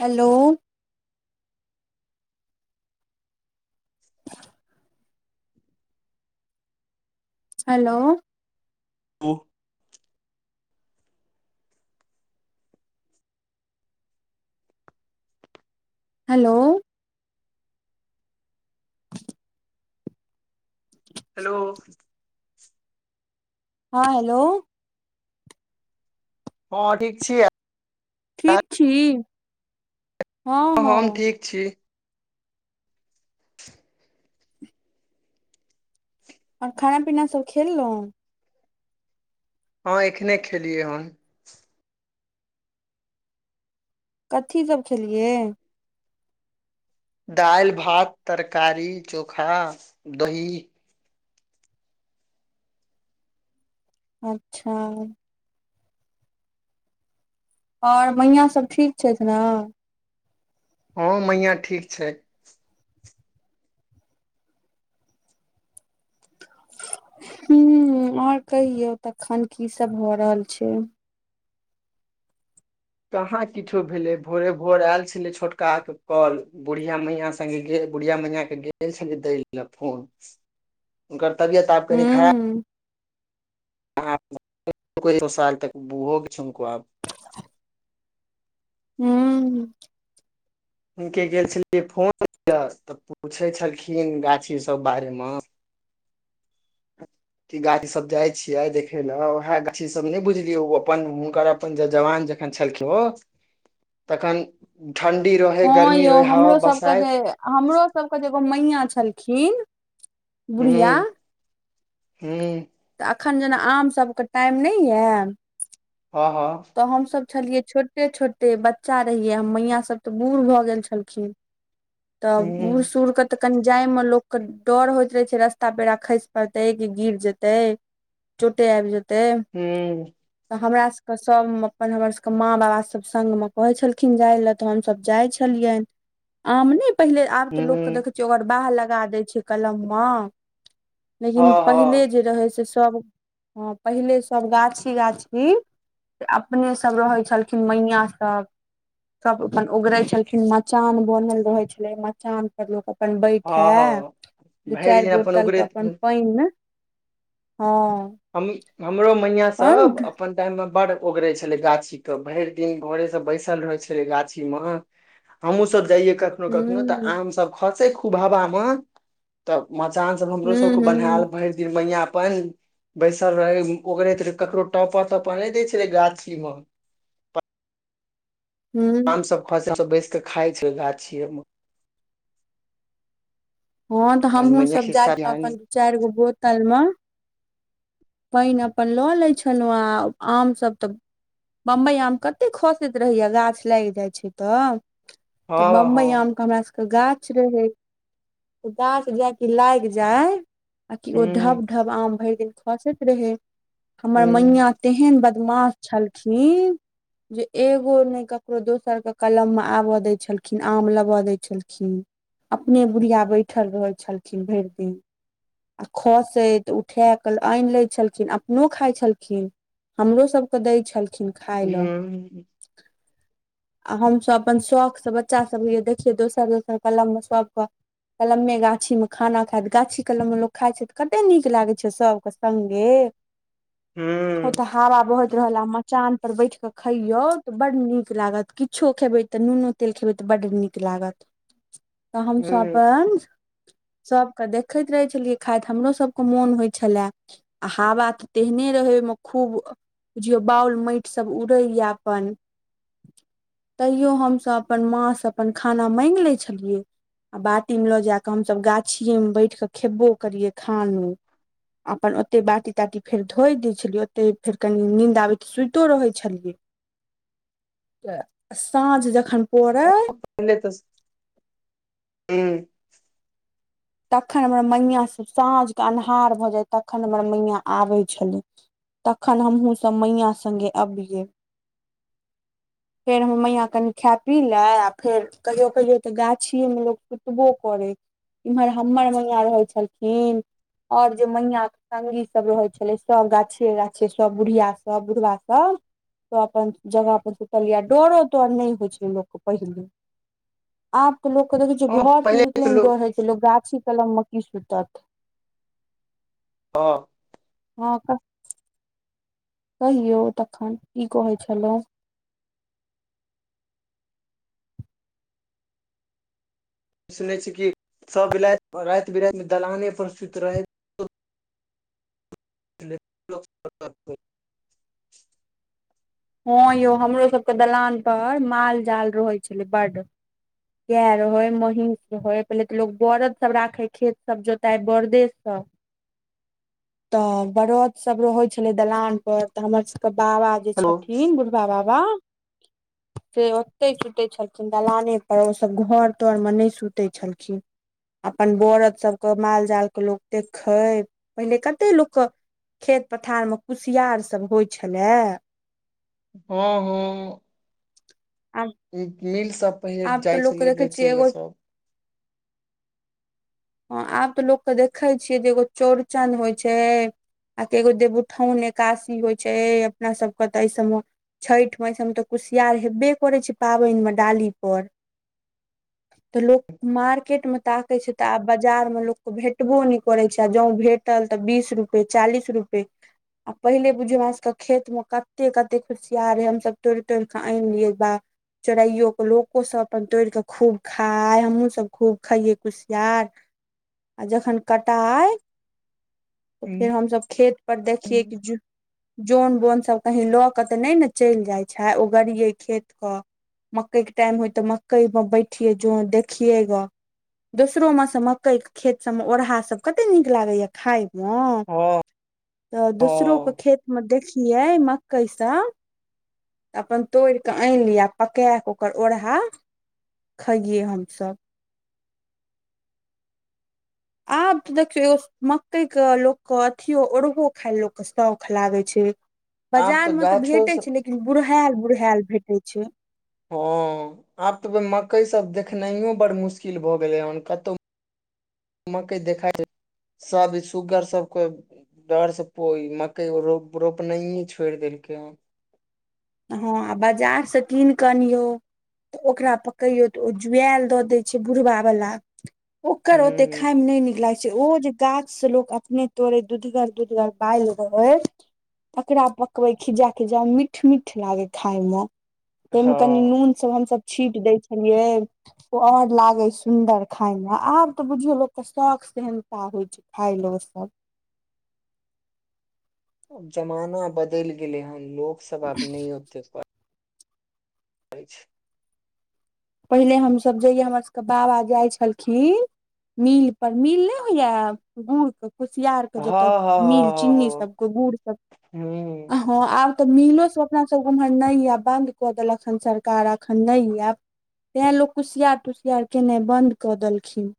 Hello hello ओ hello hello हँ hello हँ ठीक छियै ठीक छी हँ हँ हम ठीक छी [inaudible] आर खाइना पीना सब खेललहु हँ एखने खेलियै हन कथी सब खेलियै दालि भात तरकारी चोखा दही अच्छा आओर मैय सब ठीक छथि ने हँ मैया ठीक छै ह आऔर कहियौ तखन की सब भ रहल छै कहाँ किछो भेलै भोरे भोर आयल छलै छोटका के कल बुढ़िया मैया सङ्गे बुढ़िया मैया के गेल छलै दै ले फोन उनक तबियत आब कनि खराब हूँ दो साल तकहोग हमको आब [unintelligible] हू हुनके गेल छलियै फोन दिय तऽ पूछै छलखिन गाछी सब बारेमे इगाछी सब जाय छिये देखे ले उएह गाछी सब नहि बुझलियै ओ अपन हुनकर ज जवान जखन छलखिन ओ तखन ठण्डी रहै हँ गर्मी यौ रहै हवा हमरो सबके जे बसायत हमरो सबके जे एगो मैया छलखिन बुढ़िया हू तऽ एखन जेना आमसभके टाइम नहि यऽ हँ हँ तऽ हमसभ छलियै छोटे छोटे बच्चा रहियै मैया सब तऽ बूढ़ भऽ गेल छलखिन तऽ बूढ़ हूँ सूढ़ के त तऽ कनि जाय मे लोक के डर होइत रहै छै रस्ता पेड़ खैस पड़तै कि गिर जेतै चोटे आब जेतै हू तऽ हमरा तऽ सभ अपन हमरसभके माँ बाबासभ संगमे कहै छलखिन जाय लेलए तऽ हमसभ जाइ छलियनि आम नहि पहिले आब तऽ लोकके देखै छियै ओगर बाह लगा दै छै कलममे लेकिन हँ पहिले हँ जे रहै से सब हँ पहिले सब गाछी गाछी त अपने सब रहैत छलखिन मैया सब सब अपन उगरै छलखिन मचान बनल रहै छलै मचान लोक अपन बैठए हँ हँ दू भरि दिन चैर अपन बोतल के अपन ओगरैत पाइन हँ हम हमरो मैय सब बन्द अपन तहन बड़ ओगरे छलै गाछी के भरि दिन भोरे से बैसल रहे छलै गाछी मे हमहूँसभ जाइयै कखनो कखनो तऽ हूं आमसभ खसै खूब हवामे तब मचान सब हमरो हूं सबके हूं बहएल भरि दिन मैया अपन बैसलै रहै ओगरैत रहै ककरो टप तप नहि दै छलै गाछी मे आम हूं सब खसल बैसके खाय छै गाछि मे हँ तऽ और हमहुँ मैया सब जाय खिस्सा छलहुँ कहानी अपन दू चारि गो बोतल मे पानि अपन लऽ लै छलहुँ आ आम सभ तऽ बम्बई आम कते खसैत रहैया गाछ लागि जाइ छै तऽ तऽ हँ हँ बम्बई आमके हमरा सबके गाछ रहै गाछ जाय कि लागि जाय आ कि ओ हूं ढब ढब आम भरि दिन खसैत रहै हमर हूं मैया तेहन बदमाश छलखिन जे एगो नहि ककरो दोसर के कलम मे आबऽ दै छलखिन आम लेबऽ दै छलखिन अपने बुढ़िया बैठल रहै छलखिन भरि दिन आ खसै तऽ उठाए कऽ आनि लै छलखिन अपनो खाइ छलखिन हमरो सभके दै छलखिन खााय हूं लए आ हमसभ अपन शौख से बच्चा सब के जे देखियै दोसर दोसर कलम मे सबके कलमे गाछीमे खाना खाइत गाछी कलममे लोक खाइ छै तऽ कतेक नीक लागै छै सभके संगे ओ हूं तऽ हावा बहैत रहल म मचान पर बैठि कऽ खैयौ तऽ बड्ड नीक लागत किछो खेबै तऽ नूनो तेल खेबै तऽ बड्ड नीक लागत त हम सब हूं अपन सभके देखैत रहै छलियै खाइत हमरो सबके मोन होइत छले आ हवा तऽ तेहने रहै ओहिमे खूब बुझियौ बाउल माटि सब उड़ैए अपन तैयो हमस अपन माँ से अपन खाना माग ले छलियै आ बाटी मे लऽ जाक हमसब गाछि मे बैठ के खेबो करिये खानो अपन ओते बाटी ताटी फेर धोइ दै छलियै ओते फेर कनी निंन्द आबैत त सुइतो रहै छलियै तऽ साँझ जखन पड़ै [inaudible] तखन हमर मैया साँझके अन्हार भऽ जाइ तखन हमर मैया आबै छलै तखन हमहहुँ सब मैयाँ संगे अबिये फेर हम मैया कनि खा पी लए आ फेर कहियो कहियो तऽ गाछिएमे लोक सुतबो करै एम्हर हमर मैया रहै छलखिन और जे मैयके संगी सभ रहै छलै सभ गाछे गाछे सभ बुढ़ियास सभ बुढ़वाभ सब तो अपन जगह पर सुतलियै डरो तोर नहि होइ छै लोकके पहिले आब के लोकके देखै छ हूं घर से पहिले तऽ निकले मे लोक डर होइ छै लोक गाछी कलम मे की सुतत हँ हँ कहियौ तखन की कहै छलहुं सुने छी कि सबाति राति बिराति मे दलाने प्रसुित रहै [inaudible] [inaudible] हँं यौ हमरो सबके दलान पर माल जाल रहै छलै बड गाय रहे महीष रहे पहिले तऽ लो बरद सब राखे खेत सब जोताय बरदे सऽ तऽ बरद सब रहै छलै दलान पर तऽ हमर सबके बाबा अ जे हेलो छथिन बुढ़बा बाबा से ओते सुते छल खिन दलाने और उ सब घर तर मे नहि सुते छलखिन अपन वरद सभके माल जालके लोक देखै पहिने कते लोक क खेत पथार मे कुसियार सब होइ छलए हँ हँ आब इ मिल सब पेहिले आब तऽ जाइ लोकके छलै देखै छियै बेचे लए एगो सब [inaudible] ह आब तऽ लोकके देखै छियै जे एगो चौड़चन होइ छै आ कि एगो देवउठाउन एकासी होइ छै अपना सबके तऽ एहि सबमे छठि मस हम तऽ कुसियार हेबे करै छै पाबनिमे डालीपर [inaudible] तऽ लोक मार्केट में ताके छै त आब बाजार मे लोक क भेटबो नहि करे छै आ जों भेट टल त बीस रुपे चालीस रुपे आ पहिले बुझियै हमर सभके खेतमे कते कते कुशियार रहै हमसभ तोड़ि तोड़ि क आनिलियै बा चोराइयौ लोको सब अपन तोड़ क खूब खाय हमहु सब खूब खाइये कुशियार आ जखन कटाइ त फेर हूँ। हमसभ खेत पर देखियए हँ कि ज जोन बोन सब कहीं ल क त नहि ने चलि जाइ छै ओ गड़िये खेत क मकई के टाइम होइ त मकई मे बैठिये जो ह देखियेग दोसरोमे सँ मक्कइ खेत सभमे ओरहा सभ कतेक नीक लागैए खाायमे हँ त दोसरो के खेत मे देखियै मक्कई सब अपन तोड़ क आनि ली आ पका क ओरहा खइयै हमसब आब त देखियो ए मकई के लोक के अथियो ओरहो खाय ल लोक के शौख लागे छै आब बाजार तऽ मे त गाछो भेटैत सब छै लेकिन बुढ़हायल बुढ़ायल भेटैत छै हँ आब त मकई सब देखनाइयो बड़ मुश्किल भ‌ गेलै हेन कतहु मकइ देखा छै सब सुुगर सब कोइ डर से कोई मकइ रो रोपनाइे छोड़ि देलकै ह हँ आ बाजारसँ कीन क अनियौ त ओकरा पकैयौ त ओ जुएल द दै छै बुढ़बा बला ओकर ओते हूँ खायइ मे नय निकला ओ जे गाछ से लोक अपने तोड़े दूधगर दुधगर बैल रहै तकरा पकबै खिजा खिजा मीठ मीठ लागे खाायमे ताहिमे कनि हँ नून सब हमस छीट दै छलियै ओ और लागे सुंदर खााय मे आब तबुझियो लोक के शौख सेहनता होइ छै खाय ल सभ ब जमाना बदैल गेले हन लोकग सब आब नहि ते ब अछि पहिले हमसभ जइयै हमर सभके बाबा जाइ छलखिन मिल पर मिल नहि होइया गुड़ के कुसियारके हँ जतय मिल चिन्नी सब को गुड़ सब ह भ आब त मिलोसभ अपनासभ ओम्हर नहि आए बन्द कऽ देलक हन सरकार एखन नहि आए तैँ लोक कुसियार तुसियार केनाइ बन्द क देलखिन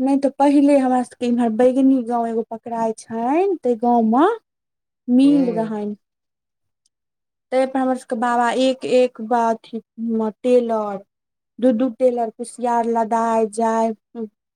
नहि ते पहिले हमरा सबके इमहर बैगनी गांव एगो पकड़ााय छैन तै गांव में मील हूँ रहनि ताहिपर हमर सभके बाबा एक एक अथी टेलर दू दू टेलर कुशियार लदाय जाय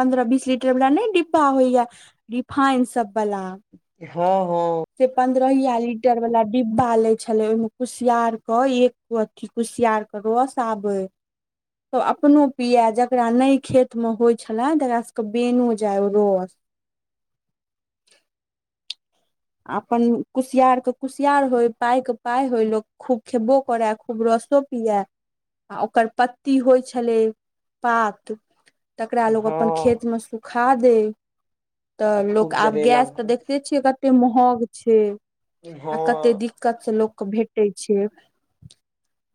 पन्द्रह बीस लीटरवला नहि डिब्बा होइए रिफाइनसभवला हँ हँ से पन्द्रहियि लीटर वला डिब्बालै छै छले ओहिमें कुसियार के एको अथी कुसियार के रस आबे त अपनो पिय जेकरा नहि खेत मे होइ छले तकरा सबके बेनोजाय ओ रस अपन कुसियारके कुसियार होय पाइके पाइ होय लोक खूब खेबो करे खूब रसो पियाए आ ओकर पत्ती होइ छलै पात तकरा लोकोग अपन हँ खेत में सुखा दै त आ लोक खूब आब गैस जरेलक त देख से छिय कते महग छै आ कते हँ दिक्क दिक्कत से लोकके भेटै छै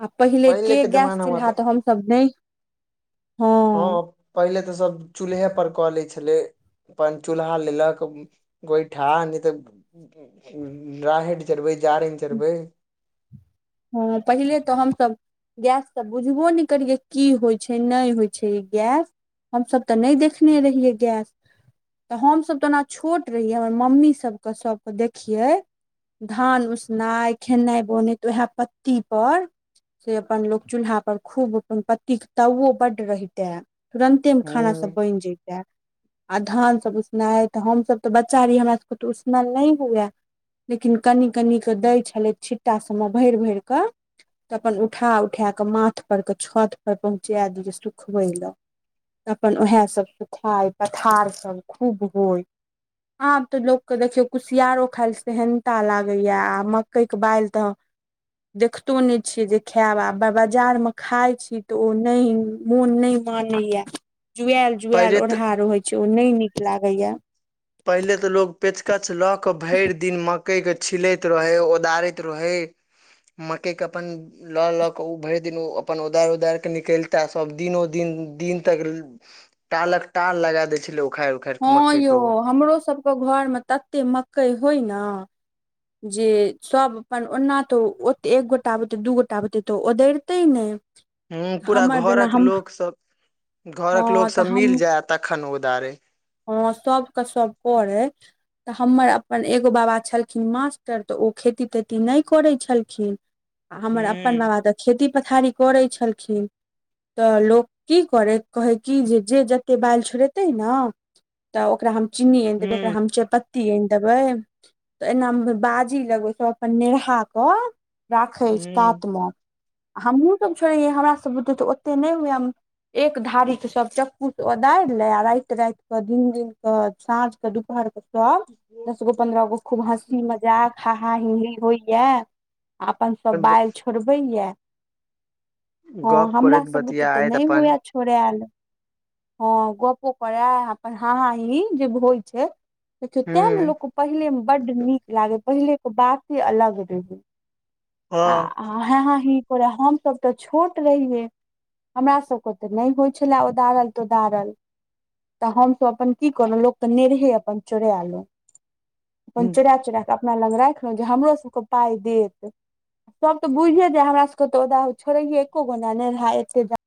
आ पहिले के गैस चूल्हा त हम सभ नहि हँ हँ पहिले तऽ सभ चूल्हे परर कऽ लैत छलै अपन चूल्हा लेलक कोइठा नहि तऽ राहैड़ चड़बै जारैन चड़बै हँ पहिले तऽ हमसभ गैस त बुझबो नहि करियै की होइ छै नहि होइ छै ई गैस हमस तऽ नहि देखने रहियै गैस तऽ हमसभ तऽ ओना छोट रहियै हमर मम्मी सभक सबक देखियै धान उसनाइ खेनाइ बोनाइ तऽ उएह पत्तीपर से अपन लोक चूल्हापर खूब अपन पतीक ताउओ बड्ड रहिते तुरन्तेमे हूँ खाना सब बनि जैय आ धान सभ उसनाइ है तऽ हमसभ तऽ बच्चा रहियै हमरा सभके तऽ उसनाल नहि हुए लेकिन कनि कनिकेँ दै छलै छिट्टा सभमे भरि भरि कऽ तऽ अपन उठा उठै कऽ माथ पर के छत पर पहुंचा दिय सुखबै लऽ अपन उएह सभ सुखाय पथारसभ खूब होय आब तऽ लोक कऽ देखियो कुसियारो खाय लऽ सेहनता लागै या आ मकई कऽ बैल तऽ देखतो ने छियै जे खायब आब बेय बाजार मे खाय छी तऽ ओ नहि मोन नहि मानै यऽ जुआल पहिले जुआल तऽ ओरहा रहै छै ओ नहि नीक लागैए पहिले तऽ लोक पेचकच लऽ कऽ भरि दिन मक्कइके छिलैत रहै ओदारैत रहै मकैय केँ अपन लऽ लऽ कऽ उ भरि दिन उ अपन उदारि उदारि कऽ निकैलताह सभ दिनो दिन दिन तक टालक टाल लगा दै छलै उखाइर हँ यौ हमरो सबके घरमे तते मकई होय नऽ जे सब अपन ओना तो ओते एक गोटा बुते दू गोटा बुते तो ओदैर तै नहि हँ पूरा हमर जेना घरक हम लोकसभ हँ घरक तऽ लोकसभ मिल हम जाय तखन ओदारे हँ सब क सब पढ़ै तऽ हमर अपन एगो बाबा छलखिन मास्टर तऽ ओ खेती तेती नहि करै छलखिन आ हमर अपन हूँ बाबा तऽ खेती पथारी करै छलखिन तऽ लोक की करै कहै क जे जे जतेक बालि छोड़ेतै ने तऽ ओकरा हम चीनी आनि देब हूँ ओकरा हम चेपत्ती आनि देबै तऽ एना मऽ बाजी लगै सब अपन नेहा कऽ राखै हूँ कात मऽ आ हमहूँसभ छोड़ैैये हम सब तऽ ओतेक नहि हुए एक धारी कऽ सब चक्कू सँ ओदारि लेय आ राइत राइत तऽ दिन दिन कऽ साँझ के दुपहर के सब दस गो पंन्द्रह गो खूब हँसी मजाक हाहा हिही होइ यऽ अपन सभ बैल छोड़बै य हँ गप हमरा करैत सब बुते तऽ बतियाइत नहि होय अपन छै छोड़ल हँ गपो करय अपन हाँ हाँ ही ही जे होइ छै देखियौ तेय नऽ हूँ लोकके पहिलेमे बड्ड नीक लागै पहिलेके बाते अलग रहै आ हाँ हाँ ही ही करे हमसभ तऽ छोट रहियै हमरा सब कऽ तऽ नहि होइ छलै ओदारल तोदारल तऽ हमस अपन की करै लोक के नेरहे अपन चोरालो अपन हँ चोरा चोरा अपना लग राखलहुँं जे हमरो सबके पाइ देत सब तऽ बुझै जाय हमरा सबके तऽ ओदा छोड़ैये एको गो नहि आ नेरहा एते